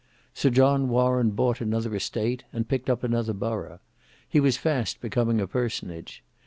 Sir John Warren bought another estate, and picked up another borough. He was fast becoming a personage.